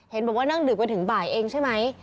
เห็นบอกว่านั่งดื่มกันถึงบ่ายเองใช่ไหม